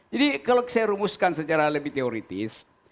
jadi kalau saya rumuskan secara lebih teoritis